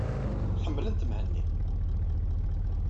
Ḥemmlent Mhenni.